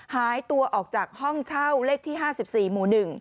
หายตัวออกจากห้องเช่าเลขที่๕๔หมู่๑